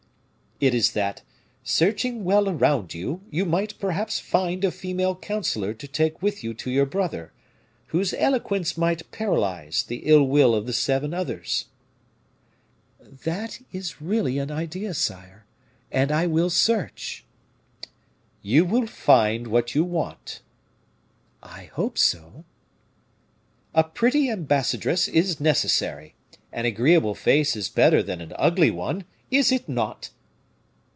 "It is that, searching well around you, you might perhaps find a female counselor to take with you to your brother, whose eloquence might paralyze the ill will of the seven others." "That is really an idea, sire, and I will search." "You will find what you want." "I hope so." "A pretty ambassadress is necessary; an agreeable face is better than an ugly one, is it not?"